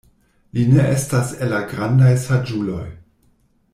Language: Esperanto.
Li ne estas el la grandaj saĝuloj.